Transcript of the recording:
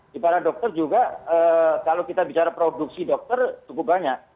di para dokter juga kalau kita bicara produksi dokter cukup banyak